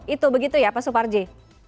itu begitu ya pak suparji